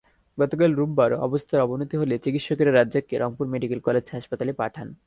গতকাল রোববার অবস্থার অবনতি হলে চিকিৎসকেরা রাজ্জাককে রংপুর মেডিকেল কলেজ হাসপাতালে পাঠান।